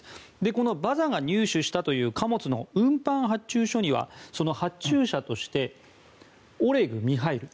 このバザが入手したという運搬発注書にはその発注者としてオレグとミハイル。